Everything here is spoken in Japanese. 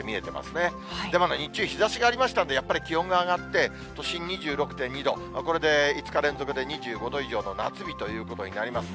でも日中、日ざしがありましたんで、やっぱり気温が上がって、都心２６．２度、これで５日連続で２５度以上の夏日ということになります。